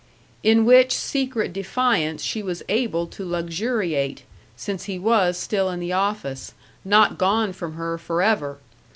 In which secret defiance she was able to luxuriate since he was still in the office, not gone from her forever!